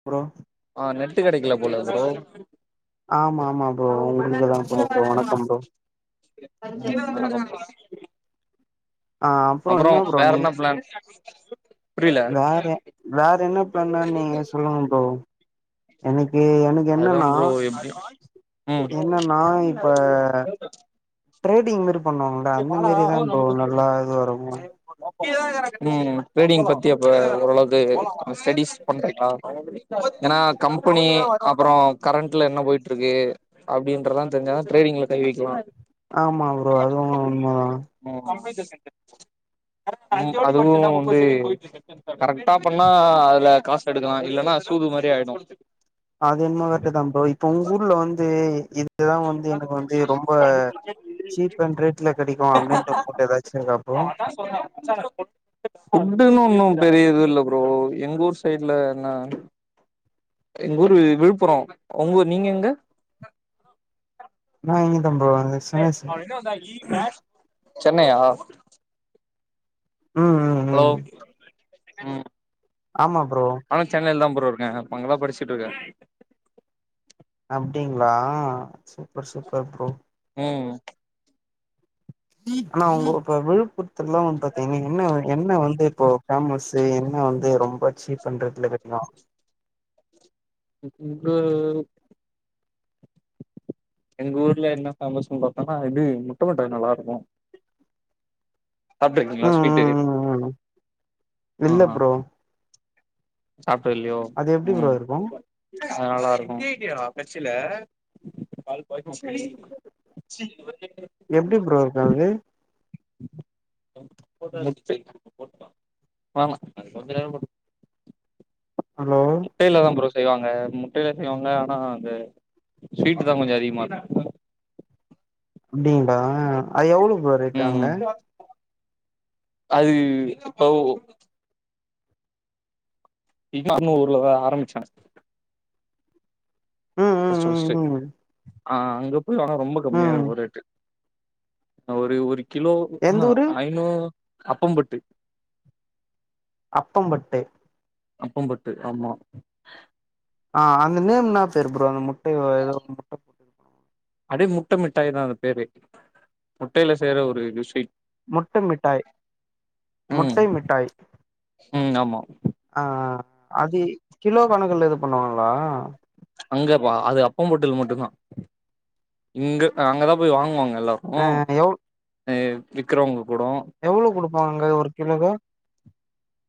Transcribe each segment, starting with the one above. அப்றோ ஆ நெட்டு கெடைக்கல போல ப்ரோ ஆமா ஆமா ப்ரோ உங்ககிட்ட தா சொல்லப் போறே வணக்கம் ப்ரோ [unintelligible] ஆ அப்றோ என்னா ப்ரோ நீ பிளான்ஸ் வேற வேற என்ன பண்ணேன்னு நீங்க சொல்லுங்க ப்ரோ எனக்கு எனக்கு அதுதா என்னன்னா ப்ரோ எப்டி ம் என்னன்னா இப்ப ட்ரேடிங் மாரி பண்ணுவாங்களா அந்த மாரி தா ப்ரோ நல்லா இதுவா வரோ ம் ட்ரேடிங் பத்தி அப்ப ஓரளவுக்கு ஸ்டடிஸ் பண்றீங்களா ஏன்னா கம்பெனி அப்றோ கரண்ட்ல என்ன போயிட் டிருக்கு அப்டின்றதெல்லா தெரிஞ்சா தா ட்ரேடிங்ல கை வெக்கலா ஆமா ப்ரோ அதுவு உண்ம தா ம் அதுவு வந்து கரெக்டா பண்ணா அதுல காசு எடுக்கலா இல்லன்னா சூது மாரி ஆயிடு அது என்னமோ கரெக்ட் தா ப்ரோ இப்ப உங்க ஊர்ல வந்து இது இதலா வந்து எனக்கு வந்து ரொம்ப சீப் அண்ட் ரேட்ல கெடைக்கு அப்டின்ட்டு ஃபுட் ஏதாச்சு இருக்கா ப்ரோ ஃபுட்டுன்னா ஒன்னு பெரிய இது இல்ல ப்ரோ எங்க ஊர் சைட்ல என்னா எங்க ஊரு விழுப்புரோ உங்க நீங்க எங்க நா இங்க தா ப்ரோ சென்னை சைடு சென்னையா ம் உம் ஹலோ ம் ஆமா ப்ரோ நானும் சென்னையில தா ப்ரோ இருக்கே இப்ப அங்கதா படிச்சுட்டு இருக்க அப்டிங்களா சூப்பர் சூப்பர் ப்ரோ உம் ஆனா உங்க இப்ப விழுப்புரத்துல்லா வந்து பாத்தீங்கன்னா என்ன என்ன வந்து இப்போ ஃபேமஸ் இது எண்ண வந்து ரொம்ப சீப் பண்றதுல கிடைக்கு [unintelligible] எங்க ஊர்ல என்ன ஃபேமஸ்ன்னு பாத்தோன்னா இது முட்டபட்டாணி நல்லா இருக்கும் சாப்ட்டுருக்கிங்களா ம் ஸ்வீட்டு ம் ம் ம் ஆ இல்ல ப்ரோ சாப்ட்டது இல்லையோ அது எப்டி ப்ரோ உம் இருக்கு அது நல்லா இருக்கும் [unintelligible] எப்டி ப்ரோ இருக்கும் அது [unintelligible] ஹலோ முட்டையில தா ப்ரோ செய்வாங்க முட்டையில செய்வாங்க ஆனா அந்த ஸ்வீட் தா கொஞ்சம் அதிகமாக இருக்கும் அப்டிங்களா அது எவ்ளோ ப்ரோ ரேட் ம் அங்க ம் அது இப்ப இப்ப நம்ம ஊருல தா ஆரம்பிச்சாங்க ம் ம் ஃபர்ஸ்ட் ஃபர்ஸ்ட்டு ம் ம் ஆ அங்க போய் வாங்குனா ரொம்ப கம்மியா ம் இருக்கும் ரேட்டு ஒரு ஒரு கிலோக்கு னா எந்த ஊரு ஐநூறு அப்பம்பட்டு அப்பம்பட்டு அப்பம்பட்டு ஆமா ஆ அந்த நேம் என்ன பேரு ப்ரோ அந்த முட்டைய ஏதோ முட்ட ப்பம் அடி முட்ட மிட்டாய்தா அந்த பேரு முட்டையில செய்ற ஒரு ஸ்வீட் முட்ட மிட்டாய் முட்டை மிட்டாய் உம் ஆமா ஆ அது கிலோ கணக்குல இது பண்ணுவாங்களா அங்க அது அப்பம்பட்டுல மட்டும் தா இங்க அங்கதா போய் வாங்குவாங்க நல்லா இருக்கும் எவ் விக்கிறவுங்க கூடம் எவ்வளோ கொடுப்பாங்க ஒரு கிலோக்கு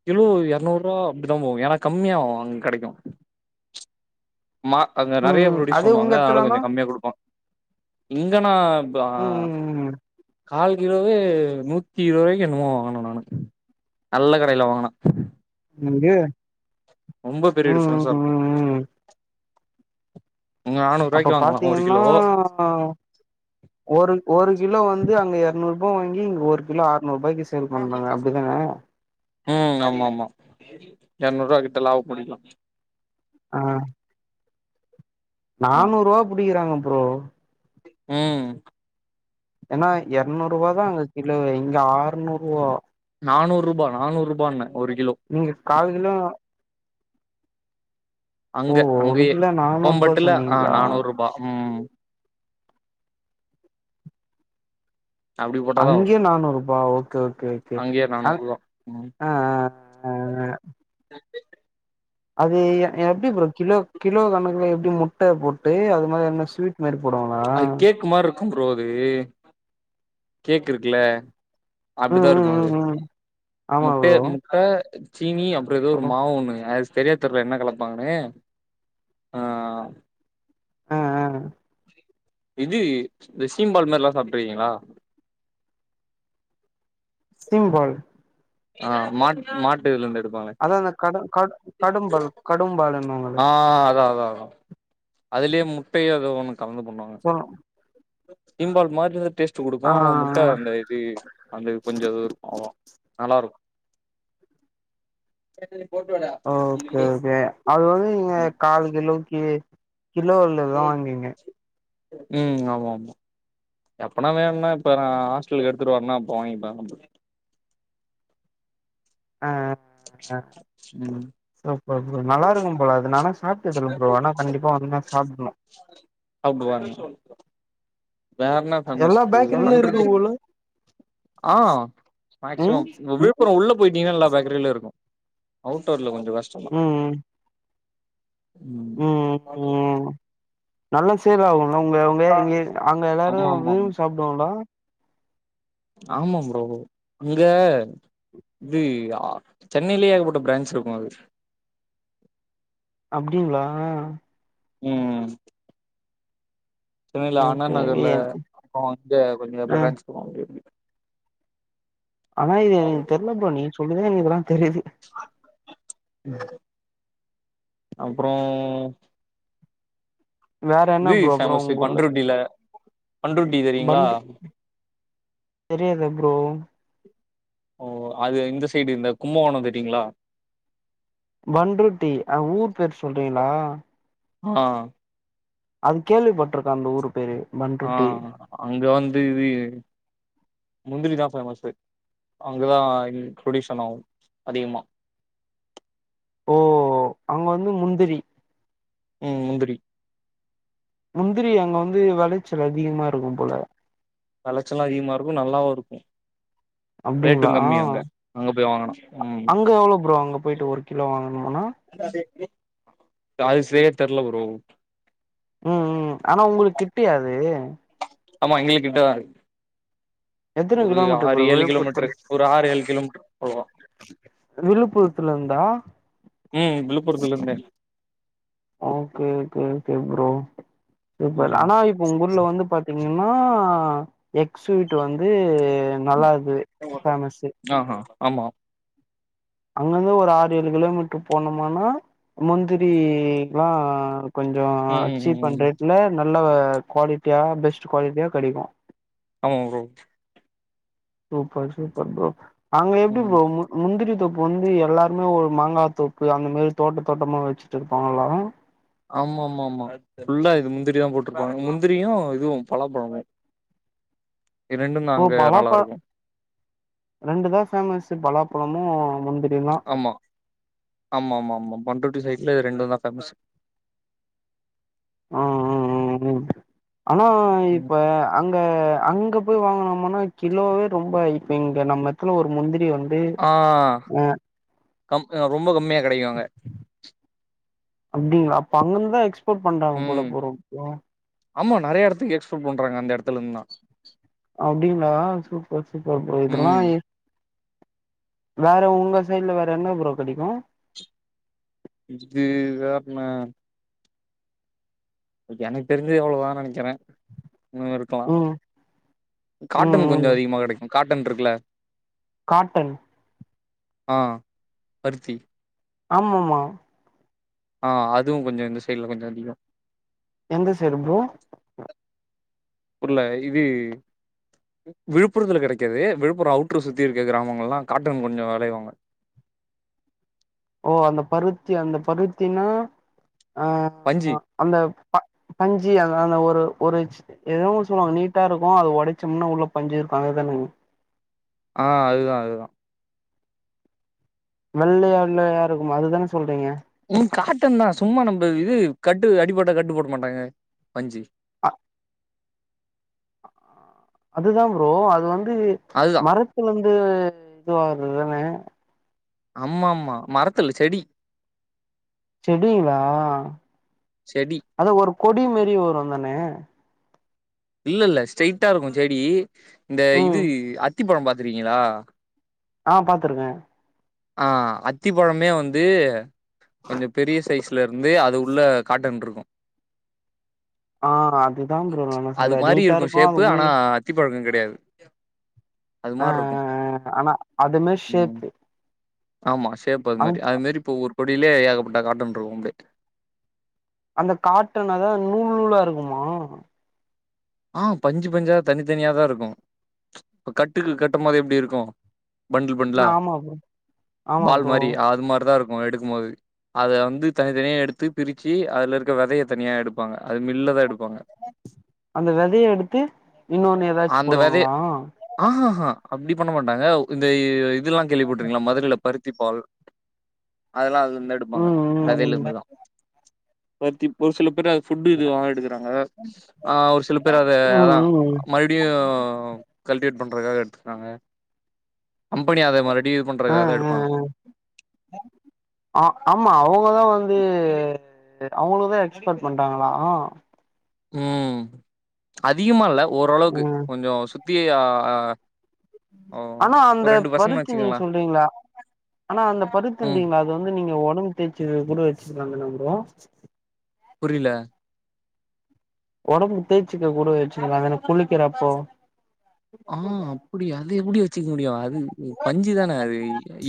கிலோ இரநூறு ரூபா அப்படிதா போகும் ஏன்னா கம்மியாகும் அங்க கிடைக்கும் மா அங்க ம் நிறைய ம் ப்ரொடியூஸ் அதே உங்க பண்ணுவாங்க அதனால எடத்துலனா கொஞ்சம் கம்மியா கொடுப்பா இங்க நா ப்பா ம் ம் ம் கால் கிலோவே நூத்தி இருபது ரூபாய்க்கு என்னமோ வாங்குன நானு நல்ல கடையில வாங்குன நங்கே ரொம்ப பெரிய டிஃப்ரென்ஸா இருக்கு ம் அப்ப நானூறுவாய்க்கு வாங்கலா ஒரு பாத்தீங்கன்னா கிலோ ஒரு ஒரு கிலோ வந்து அங்க இருநூறு ரூபா வாங்கி இங்க ஒரு கிலோ அறநூறு ரூபாய்க்கு சே சேல் பண்றாங்க அப்டிதானே ம் ஆமா ஆமா எரநூரூபா கிட்ட லாப பண்ணிடலா ஆ ம் நானூரூபா புடிக்கிறாங்க ப்ரோ ம் ஏன்னா இரநூரூவா தா இங்க கிலோவே இங்க ஆறுநூரூவா நானூரூபா நானூரூபான்னே ஒரு கிலோ நீங்க காலு கிலோ ஓ அங்க ஒரு அங்கயே கிலோ நானூறுபா ஓம்பட்டுல ஆ சொன்னீங்களா நானூறு ரூபா ம் அப்டி போட்டாதா வரு அங்க நானூரூபா ஓகே ஓகே ஓகே அங்கயே அங் நானூறுபா ம் அ அ அ அது எப்டி ப்ரோ கிலோ கிலோ கணக்குல எப்டி முட்ட போட்டு அது மாரி என்ன ஸ்வீட் மாரி போடு அது கேக் மாரி இருக்கு ப்ரோ அது கேக் இருக்குல ம் அப்டிதா இருக்கு ம் அது ம் ம் ஆமா முட்ட ப்ரோ முட்ட சீனி ப்றோ எதோ ஓ ஒரு மாவு ஒன்னு அது சரியா தெரியல என்ன கலப்பாங்கன்னு ஆ ஆ ஆ இது இந்த சீம்பால் மாரில்லா சாப்ட்ருக்கீங்களா சீம்பால் ஆ மா மாட்டு இதுல இருந்து எடு அதா க கடும்பால் கடும்பால் ஆ அதா அதா அதா அதுலேயே முட்டயு எதோ ஒண்ணு கலந்து பண்ணுவாங்க சோ சீம்பால் மாரிதா டேஸ்ட் குடுக்கு ஆ ஆனா ஆ முட்ட அந்த இது அது கொஞ்ச இது இருக்கு அவ்ளோதா நல்லா இருக்கு என் போட்டுடே அ ஓகே ஓகே அது வந்து நீங்க கால் கிலோக்கு கிலோ ஊள்ளதுதா வாங்குவீங்க ம் ஆமா ஆமா எப்பனா வேணுனா இப்ப நா ஹாஸ்டல் எடுத்துட்டு வரனோ அப்ப வாங்கிப்பே ஆ ஆ ம் சூப்பர் ப்ரோ நல்லா இருக்கு ப்ரோ அதுனாலா சாப்டுதில்ல ப்ரோ ஆனா கண்டிப்பா வந்து சாப்பிடணும் அப்ப வேறன்னா பண்ண எல்லா சொல்ரிங்க பேக்கரிலயு இருக்கு பண்றது போல ஆ ம் மேக்சிமம் அப்புற உள்ள போய்டீங்கன்னா எல்லா பேக்கரிலு இருக்கும் அவுடோர்ல கொஞ்ச கஷ்டந்தா ம் ம் ம் நல்லா சேல் ஆகுல உங்க அவுங்க இங்க அங்க எல்லாரு ஆமா ஆமா ஆமா விரும்பி சாப்டுவாங்களா ஆமா ப்ரோ அங்க இதுஆ சென்னையிலயே ஏகப்பட்ட பிரான்ச் இருக்கு அது அப்டிங்ளா ம் சென்னையில அண்ணா ஓகே நகர்ல அப்புற வந்து கொஞ்ச ஆ பிரான்ச் போக முடிய ஆனா இது எங்களுக்கு தெர்லப்பா நீ சொல்லிதா எங்களுக்கு இதெல்லா தெரியுது அப்றொ வேற என்ன இது ப்ரோ அப்றோ பேமஸூ உங்க ஊர்ல பண்ருட்டில பன்ருட் பண் தெரியாது ப்ரோ ஓ அது இந்த சைடு இந்த கும்பகோணோ தெரியுங்ளா பன்ருட்டி அ ஊர் பேர் சொல்றீங்ளா ஆ அது கேள்விப்பட்ருக்கே அந்த ஊர் பேரு ஆ பண்ருட்டி அங்க வந்து இது முந்திரி தா ஃபேமஸு அங்க தா எங்ளுக் ப்ரொடியூஷன் ஆவு அதிகமாக ஓ அங்க வந்து முந்திரி ம் முந்திரி முந்திரி அங்க வந்து வெளைச்சல் அதிகமா இருக்கும் போல வெளச்சலு அதிகமாக இருக்கு நல்லாவு இருக்கு ரேட்டு அப்டிங்களா கம்மி அங்க, அங்க போய் வாங்குனா ம் அங்க எவ்ளோ ப்ரோ அங்க போயிட்டு ஒரு கிலோ வாங்கணும்னா அது செரியா தெர்ல ப்ரோ ம் ம் ஆனா உங்களுக் கிட்டயா அது ஆமா எங்களுக் கிட்ட தா இருக் எத்தன ஒரு கிலோமீட்டர் ஆறு, ப்ரோ ஏழு விழுப்புரத்துல கிலோமீட்ரு ஒரு ஆறு ஏழ் கிலோமீட்ரு போவோ விழுப்புரத்துலர்ந்தா ம் விழுப்புரத்துலர்ந்தே ஓகே ஓகே ஓகே ப்ரோ இப்ப ம் ஆனா இப்ப உங்க ஊர்ல வந்து பா த்தீங்கன்னா எக் ஸ்வீட் வந்து நல்லார்ந்துது ஃபேமஸு ஆஹா ஆமா அங்கர்ந்து ஒரு ஆறு ஏழு கிலோமீட்ரு போனமன்னா முந்திரி எல்லா கொஞ்சோ ம் ம் சீப்பன் ம் ரேட்ல நல்ல க்வாலிட்டியா பெஸ்ட்டு க்வாலிட்டியா கெடைக்கு ஆமாங் ப்ரோ சூப்பர் சூப்பர் ஃப்ரோ அங்க எப்டி ம் ப்ரோ மு முந்திரி தோப் வந்து எல்லாருமே ஒரு மாங்கா தோப்பு அந்த மாரி தோட்ட தோட்டமா வெச்சிட்டுருப்பாங்களா ஆமா ஆமா ஆமா ஃபுல்லா இது முந்திரி தா போட்ருப்பாங்க முந்திரியு இதுவு பலாப்பழமு இது ரெண்டு தா இப்போ அங்க நல்லா பலாப்பழ இருக்கு ரெண்டு தா ஃபேமஸு பலாப்பழமு முந்திரி ஆமா ஆமா ஆமா ஆமா பண்ருட்டி சைட்ல இது ரெண்டு தா ஃபேமஸு ஆ ஆ ஆ ம் ஆனா ம். இப்ப அங்க அங்க போய் வாங்குனோமன்னா கிலோவே ரொம்ப இப்ப இங்க நம்ம எத்துல ஒரு முந்திரி வந் ஆ கம் அ ரொம்ப கம்மியா கெடைக்கு அங்க அப்டிங்ளா அப்ப அங்கர்ந்தா எக்ஸ்போட் பண்றாங்க போல ம் ப்ரோ [inaudible] ஆமா நெறையா எடத்துக்கு எக்ஸ்போட் பண்றாங்க அந்த எடத்துலர்ந்தா அப்டிங்ளா சூப்பர் சூப்பர் ப்ரோ இதெல்லா ம் எ வேற உங்க சைட்ல வேற என்ன ப்ரோ கெடைக்கு நெக்ஸ்ட்டு வேற என்ன ஓகே எனக் தெரிஞ்சு அவ்ளோ தா நெனைக்கறே இன்னு இருக்கலா ம் ம் காட்டன் கொஞ்சோ ம் அதிகமா கெடைக்கு காட்டன்ருக்குல காட்டன் ஆ பருத்தி ஆமாமா ஆ அது கொஞ்சோ இந்த சைட்ல கொஞ்சோ அதிகோ எந்த சைடு ப்ரோ புர்ல இது விழுப்புரத்ல கெடைக்காது. விழுப்புரோ அவுட்ரு சுத்தி இருக்க கிராமங்கள்லா காட்டன் கொஞ்சோ வெளைவாங்க. ஓ அந்த பருத்தி அந்த பருத்தினா ஆ பஞ்சி. அந்த ப பஞ்சி அதான ஒரு ஒருச் எதோ ஒன்னு சொல்லுவாங் நீட்டா இருக்கு அது ஒடச்சம்னா உள்ள பஞ்சி இருக்கு அதுதானே. ஆ அதுதா அதுதா. வெள்ளையா வெள்ளையா இருக்குமே அதுதான சொல்றீங்க? ம் காட்டன் தா சும்மா நம்ப இது கட்டு அடிப்பட்டா கட்டு போட மாட்டாங்க பஞ்சி. அ அதுதா ப்ரோ அது வந்து அதுதா. மரத்துலந்து இதுவாகறதுதானே. அம்மா அம்மா மரத்துல்ல செடி. செடிங்ளா? செடி அதா ஒரு கொடி மாரி வருந்தானே. இல்ல இல்ல ஸ்டெய்ட்டா இருக்கு செடி. இந்த ம் இது அத்திப்பழம் பாத்துருக்கிங்ளா? ஆ பாத்துருக்கே. ஆ அத்திப்பழமே வந்து கொஞ்ச பெரிய சைஸ்ல இருந்து அது உள்ள காட்டன்ருக்கு. ஆ அதுதா அ ப்ரோ நானு அது சொல்ல மாரி நீட்டா இருக்கு அது ஷேப்பு உள்ள ஆனா, த்தி பழக்கொ கெடையாது. அது ஆ மார்ருக்கு ஆ ஆ ஆனா அது மாரி ம். ஷேப்பு ஆமா ஷேப் அது அந் மாரி அது மாரி இப்ப ஒவ்வொரு கொடிலியே ஏகப்பட்ட காட்டன்ருக்கு அப்டே. அந்த காட்டனதா நூல் நூலா இருக்குமா? ஆ பஞ்சு பஞ்சா தனிதனியாதா இருக்கு. இப்ப கட்டுக்கு கட்டும் போது எப்டி இருக்கு? பண்ல் பண்லா ஆமா ப்ரோ ஆமா பால் ப்ரோ மாரி அ அது மார்தாருக்கு எடுக்கும்போது. அத வந்து தனித்தனியா எடுத்து பிரிச்சி அதுல இருக்க வெதைய தனியா எடுப்பாங்க. அது மில்லதா எடுப்பாங்க. அந்த வெதைய எடுத்து இன்னோன்னே அந்த வெதைய ஆஹாஹா அப்டி பண்ண மாட்டாங்க உ இந்தய் இ இ இதுலா கேள்விப்பட்ருக்கிங்ளா மதுரைல பருத்தி பால் அதுல்லா அதுலந்தா எ டுப்பாங்க ம் ம் வெதைலிந்துதா. பருத்திப் ஒரு சில பேர் அது ஃபுட்டு இதுலா எடுக்கறாங்க. ஆ ஒரு சில பேர் அத ம் அதா ம் ம் மல் டியு கல்டிவேட் பண்றக்காக எட்த்துக்கறாங்க. கம்பெனி அத மறுடி இது ஆ பண்றக்காகதா ஆ எடுப்பாங்க. [inaudible] ஆ ஆமா அவுங்கதா வந்து அவுங்களுக்குதா எக்ஸ்பட் பண்றாங்களா. ம் அதிகமா இல்ல ஓரளவுக்கு ம் கொஞ்சோ சுத்தி அ அ ஆனா அந்த பருத்தி நீங்க வச்சுக்கங்களேன். சொல்றீங்ள ஆனா அந்த ம் பருத்தின்றிங்கல அ து வந்து நீங்க ஒடம்பு தேய்ச்சுகதுக் கூட வெச்சிக்கலாமல்ல ப்ரோ. புரில. ஒடம்பு தேச்சிக்க கூடு வெச்சுக்களாந்தான குளிக்கிறப்போ? ஆ அப்பிடி அது எப்பிடி வெச்சுக்க முடியு அது உ பஞ்சுதான அது.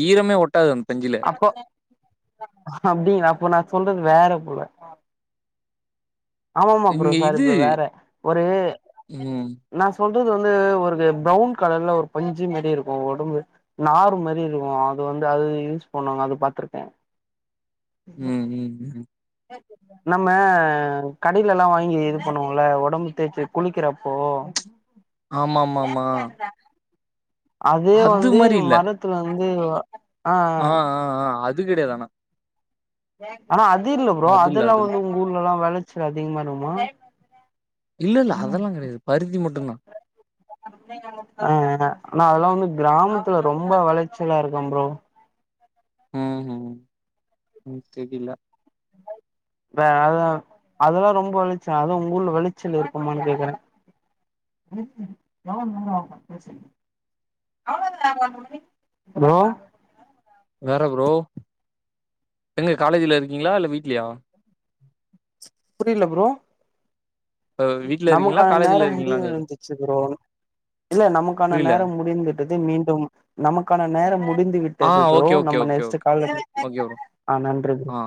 ஈரமே ஒட்டாது அந் பஞ்சில. அப்டிங்ளா அப்போ நா சொல்றது வேற போல. ஆமாமா ப்ரோ இங்க சாரி இது ப்ரோ வேற ஒரு ம். நா சொல்றது வந்து ஒருக ப்ரவுன் கலர்ல ஒரு பஞ்சு மாரி இருக்கு ஒடம்பு நார் மாரி இருக்கு அது வந்து அது யூஸ் பண்ணுவாங்க அது பாத்துருக்கே. ம், ம், ம். [inaudible] நம்ம கடையில எல்லா வாங்கி இது பண்ணுவோம்ல ஒடம்பு தேய்ச்சு குளிக்கிறப்போ ஆமாமாம்மா அதே வந்து மாரி இல்ல. மரத்துல வந்து வ ஆ ஆ ஆ அது கிடையாது ஆனா ஆனா அது இல்ல ப்ரோ அது இல்ல, அதெல்லா அது இல்ல. வந்து உங் ஊர்லெல்லா வெளைச்ச அதிகமா இருக்குமா இல்ல இல்ல அதெல்லா கெடையாது பருத்தி மட்டும்தா ஆ ஆ ஆனா அதெல்லா வந்து கிராமத்துல ரொம்ப வெளைச்சலா இருக்கு ப்ரோ ம் ம் ம் தெரில வே அத அதெல்லா ரொம்ப விளைச்ச அதா உங் ஊர்ல வெளச்சல் இருக்குமான்னு கேக்குறே [unintelligible] ஹலோ வேற ப்ரோ எங்க காலேஜ்ல இருக்கீங்களா இல்ல வீட்லியா புரியில ப்ரோ வீட்ல இருக்கீங்களா? நமக்கான நேரோ காலேஜ்ல முடிவு இருக்கீங்களான்னு கேட்கிறேன். அடச்சிச்சி ப்ரோ இல்ல நமக்கான புரியல. நேரோ முடிந்துட்டுது மீண்டு நமக்கான நேரோ முடிந்து விட் ஆ ப்ரோ ஓகே, ஓகே, நம்ம ஓகே, நெஸ்ட் ஓகே. கால்ல பேசு ஓகே ப்ரோ. ஆ நன்றி ஆ.